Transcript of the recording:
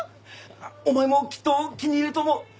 お前もきっと気に入ると思う。